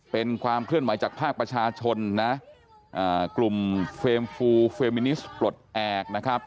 เป็นความเคลื่อนไหวจากภาคประชาชนนะกลุ่มเฟรมฟูเฟรมมินิสปลดแอบนะครับ